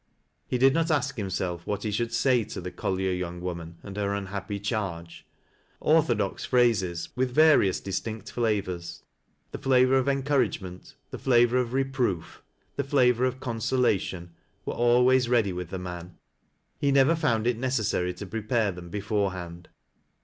He did not ask himself what he should say to the collier young woman, and her unhappy charge. Orthodox phrases with various distinct flavors — the flavor of encouragement, the flavor of reproof, the flavor of con solation, — were always ready with the man ; he never found it necessary to prepare them before hand.